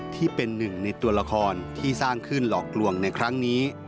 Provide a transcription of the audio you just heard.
ที่เป็นหนึ่งในตัวละครที่สร้างขึ้นหลอกลวงในครั้งนี้